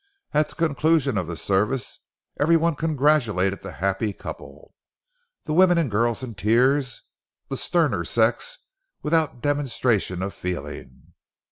At the conclusion of the service, every one congratulated the happy couple, the women and girls in tears, the sterner sex without demonstration of feeling.